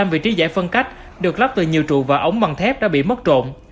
một mươi năm vị trí giải phân cách được lắp từ nhiều trụ và ống bằng thép đã bị mất rộn